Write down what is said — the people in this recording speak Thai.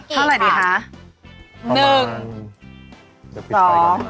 ข้าวไรดีคะ